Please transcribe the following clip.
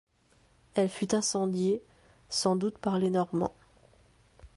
Elle fut incendiée, sans doute par les Normands.